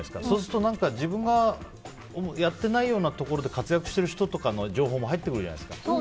そうすると自分がやってないようなところで活躍してる人とかの情報も入ってくるじゃないですか。